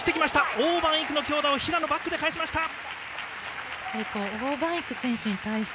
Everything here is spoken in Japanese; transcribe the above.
オウ・マンイクの強打を平野、バックで返しました。